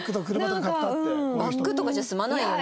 バッグとかじゃ済まないよね。